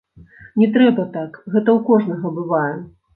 Не трэба так, гэта ў кожнага бывае.